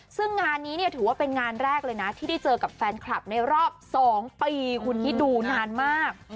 ซึ่งงานนี้เนี่ยถือว่าเป็นงานแรกเลยนะที่ได้เจอกับแฟนคลับในรอบ๒ปีคุณคิดดูนานมาก